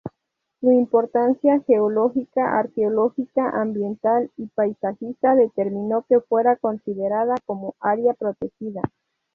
Su importancia geológica, arqueológica, ambiental y paisajística determinó que fuera considerada como área protegida.